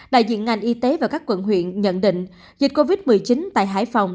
đại diện ngành y tế và các quận huyện nhận định dịch covid một mươi chín tại hải phòng